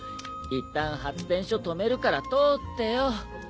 いったん発電所止めるから通ってよ。